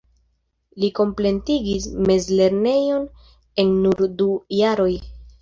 Li kompletigis mezlernejon en nur du jaroj.